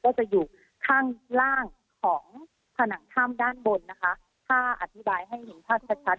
ก็จะอยู่ข้างล่างของผนังถ้ำด้านบนนะคะถ้าอธิบายให้เห็นภาพชัดชัด